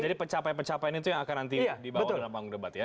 jadi pecapaian pecapaian itu yang akan nanti dibawa ke dalam bangunan debat ya